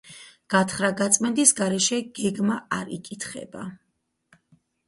გათხრა-გაწმენდის გარეშე გეგმა არ იკითხება.